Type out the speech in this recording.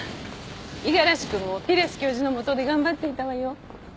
五十嵐君もピレス教授のもとで頑張っていたわよ。